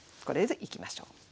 これでいきましょう。